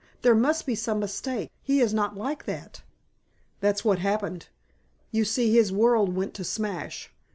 There must be some mistake. He is not like that." "That's what's happened. You see, his world went to smash.